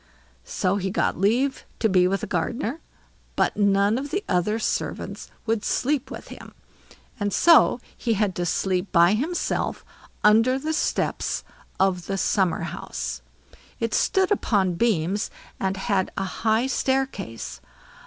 So he got leave to be with the gardener, but none of the other servants would sleep with him, and so he had to sleep by himself under the steps of the summerhouse. It stood upon beams, and had a high staircase.